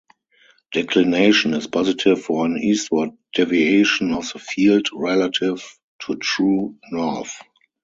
Declination is positive for an eastward deviation of the field relative to true north.